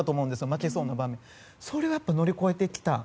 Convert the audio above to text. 負けそうな場面それを乗り越えてきた。